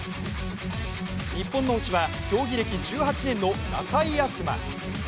日本の星は競技歴１８年の中井飛馬。